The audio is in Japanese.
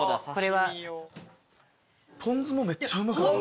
ぽん酢もめっちゃうまかった。